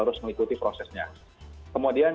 harus mengikuti prosesnya kemudian